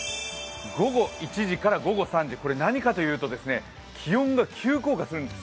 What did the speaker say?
午後１時から午後３時これ、何かというと気温が急降下するんです。